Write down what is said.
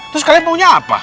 terus kalian maunya apa